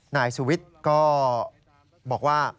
นายสุวิทย์ก็บอกว่า